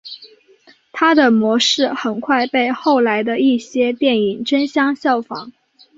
它的模式很快被后来的一些电影争相效仿。